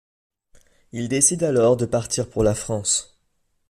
Il décide alors de partir pour la France.